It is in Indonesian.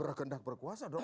berhendak berkuasa dong